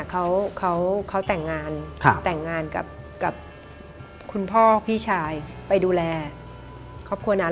เขาแต่งงานแต่งงานกับคุณพ่อพี่ชายไปดูแลครอบครัวนั้น